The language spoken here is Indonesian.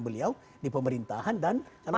beliau di pemerintahan dan calon presiden